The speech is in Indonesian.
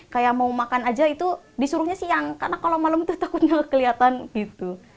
kayak mau makan aja itu disuruhnya siang karena kalau malam itu takutnya kelihatan gitu